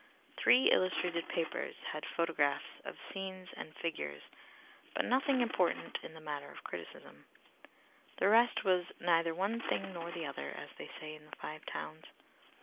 Three illustrated papers had photographs of scenes and figures, but nothing important in the matter of criticism. The rest were "neither one thing nor the other," as they say in the Five Towns.